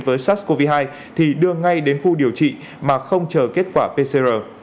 với sars cov hai thì đưa ngay đến khu điều trị mà không chờ kết quả pcr